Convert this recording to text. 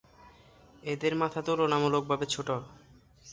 এদের মাথা তুলনামূলকভাবে ছোট।